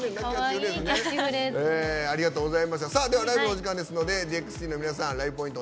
ライブのお時間ですのでＤＸＴＥＥＮの皆さんライブポイント